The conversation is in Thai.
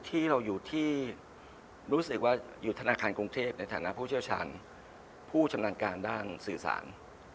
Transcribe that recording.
พออยู่ที่ถนาคารกรุงเทพฯในทางน้ำผู้เชี่ยวชาญผู้ชำลังการด้านสื่อสาร